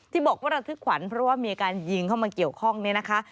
ที่บอกว่าระทึกขวัญเพราะว่ามีการยิงเข้ามาเกี่ยวข้องเนี่ยนะคะ